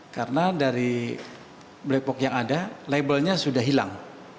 karena dari black box yang ada labelnya sudah hilang